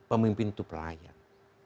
pemimpin itu pelayan